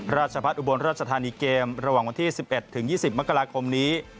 ราชพัฒนอุบลราชธานีเกมระหว่างวันที่๑๑๒๐มกราคมนี้